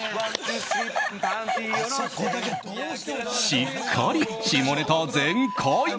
しっかり下ネタ全開！